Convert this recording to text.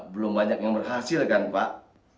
belum banyak yang berhasil kan pak